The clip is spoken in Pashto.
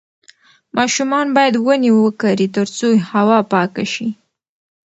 ماشومان باید ونې وکرې ترڅو هوا پاکه شي.